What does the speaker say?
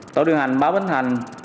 tổ điều hành báo bến hành